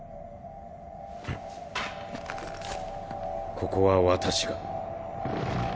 ここは私が。